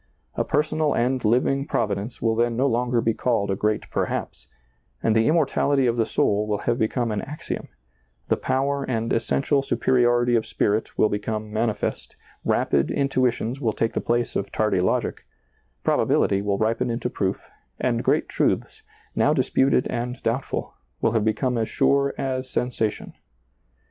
A personal and living Provi dence will then no longer be called a great Per haps, and the immortaHty of the soul will have be come an axiom, the power and essential superiority of spirit will become manifest, rapid intuitions will take the place of tardy logic, probability will ripen into proof, and great truths, now disputed and doubtful, will have become as sure as sensa tion.